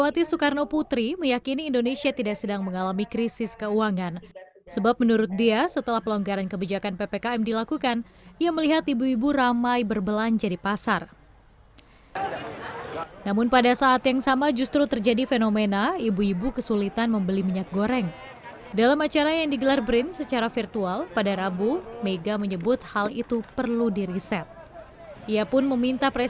tidak becar akhir